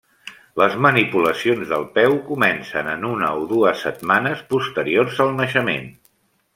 Les manipulacions del peu comencen en una o dues setmanes posteriors al naixement.